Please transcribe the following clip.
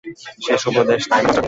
শেষ উপদেশ, তাই না মাস্টার?